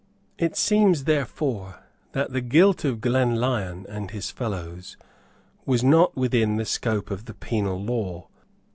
It seems therefore that the guilt of Glenlyon and his fellows was not within the scope of the penal law.